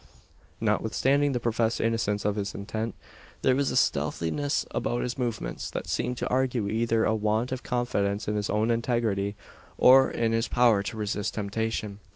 Notwithstanding the professed innocence of his intent, there was a stealthiness about his movements, that seemed to argue either a want of confidence in his own integrity, or in his power to resist temptation.